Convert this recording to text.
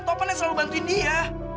toh pan yang selalu bantuin dia